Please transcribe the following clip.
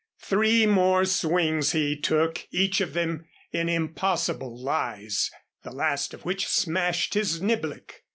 Three more swings he took, each of them in impossible lies, the last of which smashed his niblick.